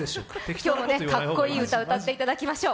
今日もかっこいい歌を歌っていただきましょう。